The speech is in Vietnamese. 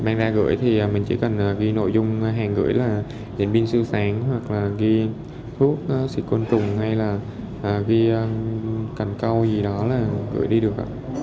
mang ra gửi thì mình chỉ cần ghi nội dung hàng gửi là đèn pin siêu sáng hoặc là ghi thuốc xịt côn trùng hay là ghi cảnh câu gì đó là gửi đi được